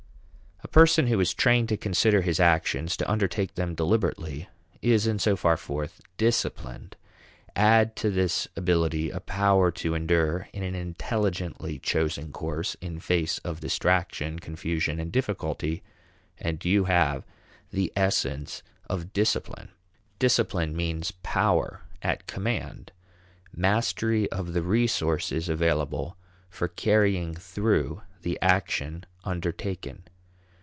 A person who is trained to consider his actions, to undertake them deliberately, is in so far forth disciplined. Add to this ability a power to endure in an intelligently chosen course in face of distraction, confusion, and difficulty, and you have the essence of discipline. Discipline means power at command; mastery of the resources available for carrying through the action undertaken.